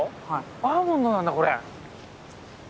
アーモンドなんだこれ。